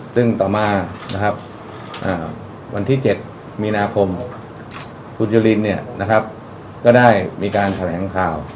ซึ่งต่อมานะครับวันที่๗มีนาคมคุณจุลินก็ได้มีการแถลงข่าว